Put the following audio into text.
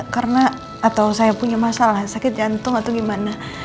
karena atau saya punya masalah sakit jantung atau gimana